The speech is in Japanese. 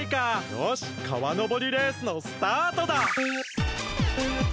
よし川のぼりレースのスタートだ！